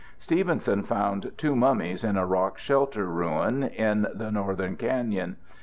Stevenson found two mummies in a rock shelter ruin in the northern canyon.